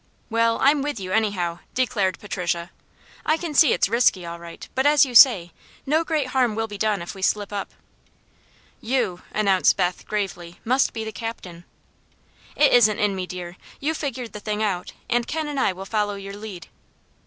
"Well, I'm with you, anyhow," declared Patricia. "I can see it's risky, all right; but as you say, no great harm will be done if we slip up." "You," announced Beth, gravely, "must be the captain." "It isn't in me, dear. You figured the thing out, and Ken and I will follow your lead."